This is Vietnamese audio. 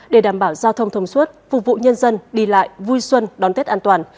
để đảm bảo giao thông thông suốt phục vụ nhân dân đi lại vui xuân đón tết an toàn